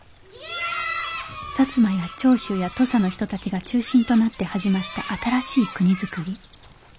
摩や長州や土佐の人たちが中心となって始まった新しい国づくり。